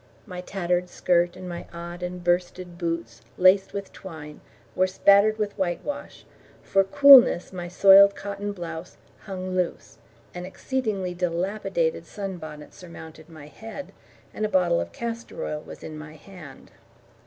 My tattered skirt and my odd and bursted boots, laced with twine, were spattered with whitewash, for coolness my soiled cotton blouse hung loose, an exceedingly dilapidated sun bonnet surmounted my head, and a bottle of castor oil was in my hand.